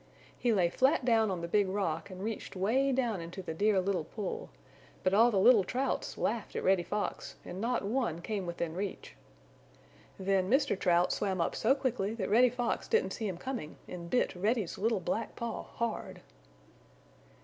He lay flat down on the Big Rock and reached way down into the Dear Little Pool, but all the little Trouts laughed at Reddy Fox and not one came within reach. Then Mr. Trout swam up so quickly that Reddy Fox didn't see him coming and bit Reddy's little black paw hard.